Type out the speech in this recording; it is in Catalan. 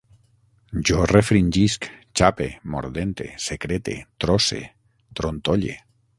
Jo refringisc, xape, mordente, secrete, trosse, trontolle